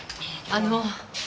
あの。